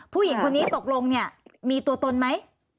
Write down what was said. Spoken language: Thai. ผู้หญิงคนนี้ตกลงเนี่ยมีตัวตนไหม